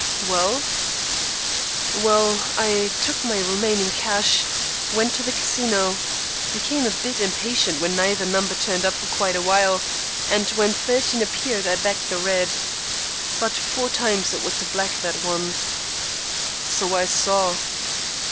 "Well?" "Well, I took my remaining cash, went to the Casino, became a bit impatient when neither number turned up for quite a while, and when thirteen appeared I backed the red. But four times it was the black that won." "So I saw."